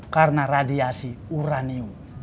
karena radiasi urani